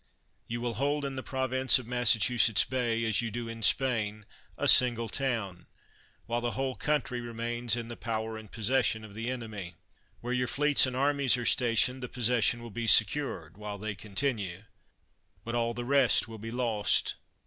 You will hold, in the Province of Massachusetts Bay, as you do in Spain, a single town, while the whole country remains in the power and possession of the enemy. Where your fleets and armies are sta tioned, the possession will be secured, while they continue; but all the rest will be lost.